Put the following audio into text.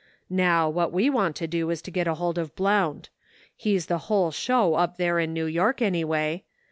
Now, what we want to do is to get hold of Blount. He's the whole show up there in New York, anyway.